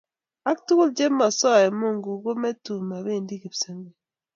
Ak tugul che mosoe mungu ko metun mobendii kipsengwet.